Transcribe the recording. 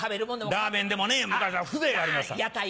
ラーメンでもね昔は風情がありました。